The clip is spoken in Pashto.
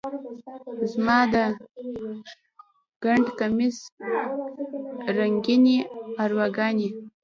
زما د ګنډ کمیس رنګینې ارواګانې،